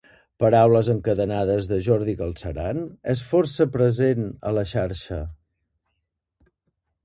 Paraules encadenades de Jordi Galceran és força present a la xarxa.